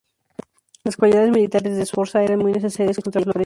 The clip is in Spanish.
Las cualidades militares de Sforza eran muy necesarias contra Florencia y el Papa.